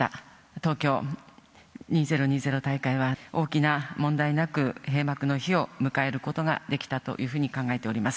東京２０２０大会は、大きな問題なく閉幕の日を迎えることができたというふうに考えております。